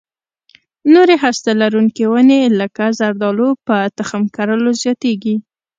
نورې هسته لرونکې ونې لکه زردالو په تخم کرلو زیاتېږي.